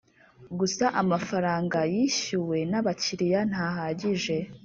gusa amafaranga yishyuwe n abakiriya ntahagije